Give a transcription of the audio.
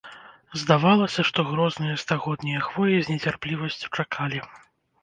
Здавалася, што грозныя стагоднія хвоі з нецярплівасцю чакалі.